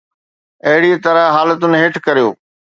اهڙيءَ طرح حالتن هيٺ ڪريو.